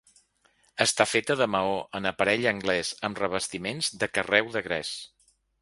Està feta de maó en aparell anglès amb revestiments de carreu de gres.